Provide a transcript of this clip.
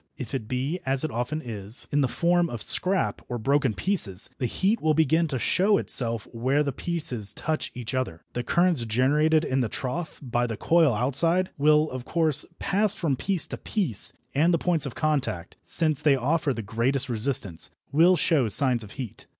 If it be, as it often is, in the form of scrap, or broken pieces, the heat will begin to show itself where the pieces touch each other. The currents generated in the trough, by the coil outside, will, of course, pass from piece to piece and the points of contact, since they offer the greatest resistance, will show signs of heat.